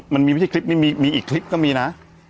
ไม่ใช่วิทยาคลิปนี้มีอีกวิทยาคลิปก็มีน่ะ